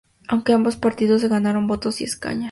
Aunque ambos partidos ganaron votos y escaños.